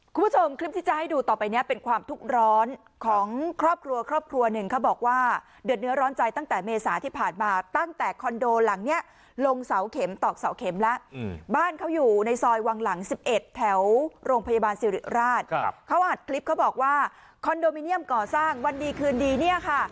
คุณผู้ชมคลิปที่จะให้ดูต่อไปเนี้ยเป็นความทุกข์ร้อนของครอบครัวครอบครัวหนึ่งเขาบอกว่าเดือดเนื้อร้อนใจตั้งแต่เมษาที่ผ่านมาตั้งแต่คอนโดหลังเนี้ยลงเสาเข็มตอกเสาเข็มแล้วบ้านเขาอยู่ในซอยวังหลังสิบเอ็ดแถวโรงพยาบาลสิริราชครับเขาอัดคลิปเขาบอกว่าคอนโดมิเนียมก่อสร้างวันดีคืนดีเนี่ยค่ะ